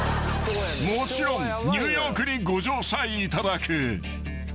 ［もちろんニューヨークにご乗車いただく］